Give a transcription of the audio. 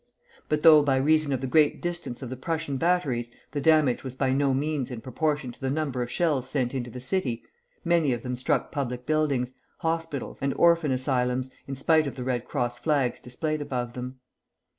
But though, by reason of the great distance of the Prussian batteries, the damage was by no means in proportion to the number of shells sent into the city, many of them struck public buildings, hospitals, and orphan asylums, in spite of the Red Cross flags displayed above them.